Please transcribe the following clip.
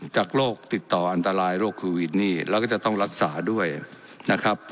โรคติดต่ออันตรายโรคโควิดนี่แล้วก็จะต้องรักษาด้วยนะครับ